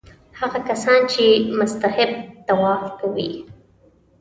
هغه کسان چې مستحب طواف کوي.